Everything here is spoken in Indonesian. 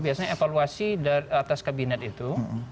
biasanya evaluasi atas kabinet itu